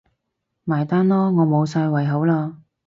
埋單囉，我無晒胃口喇